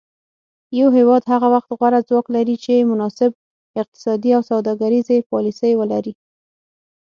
یو هیواد هغه وخت غوره ځواک لري چې مناسب اقتصادي او سوداګریزې پالیسي ولري